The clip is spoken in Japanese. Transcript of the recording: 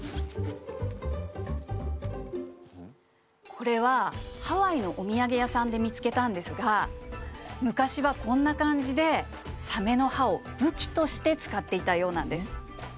これはハワイのお土産屋さんで見つけたんですが昔はこんな感じでサメの歯を武器として使っていたようなんです。